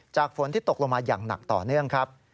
ฝนที่ตกลงมาอย่างหนักต่อเนื่องครับ